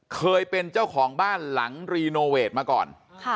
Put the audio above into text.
เคยเป็นเจ้าของบ้านหลังรีโนเวทมาก่อน